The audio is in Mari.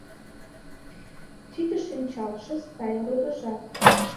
Тиде шинчалше сай родыжат